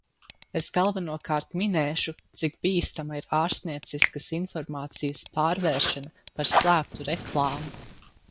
Es galvenokārt minēšu, cik bīstama ir ārstnieciskas informācijas pārvēršana par slēptu reklāmu.